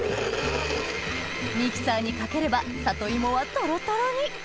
ミキサーにかければ里芋はトロトロに！